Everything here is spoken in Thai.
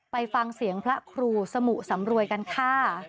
ไปฟังเสียงพระครูสมุสำรวยกันค่ะ